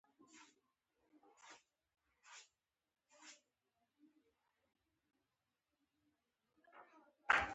د خلکو د نېستمنۍ او د مامورینو د غبن له امله.